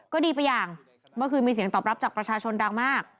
ก็ดีไปอย่างเมื่อคืนมีเสียงตอบรับจากประชาชนดังมาก